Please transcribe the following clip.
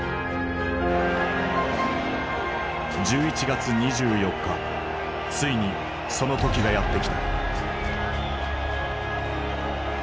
１１月２４日ついにその時がやって来た。